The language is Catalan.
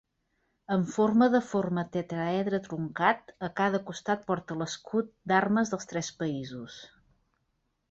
Amb forma de forma tetràedre truncat, a cada costat porta l'escut d'armes dels tres països.